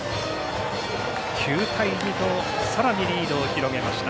９対２とさらにリードを広げました。